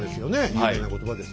有名な言葉です。